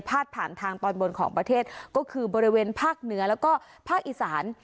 ผ่านทางตอนบนของประเทศก็คือบริเวณภาคเหนือแล้วก็ภาคอีสาน